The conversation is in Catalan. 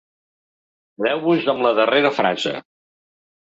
Quedeu-vos amb la darrera frase.